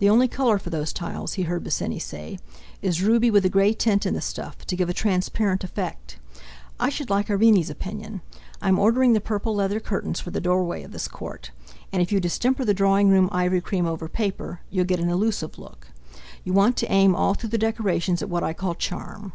"The only colour for those tiles," he heard Bosinney say, "is ruby with a grey tint in the stuff, to give a transparent effect. I should like Irene's opinion. I'm ordering the purple leather curtains for the doorway of this court; and if you distemper the drawing room ivory cream over paper, you'll get an illusive look. You want to aim all through the decorations at what I call charm."